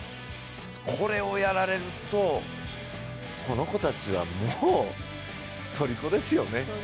これをやられると、この子たちはもう、とりこですよね。